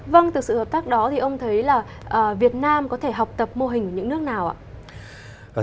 vâng từ sự hợp tác đó thì ông thấy là việt nam có thể học tập mô hình ở những nước nào ạ